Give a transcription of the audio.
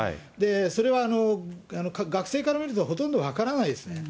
それは学生から見ると、ほとんど分からないですね。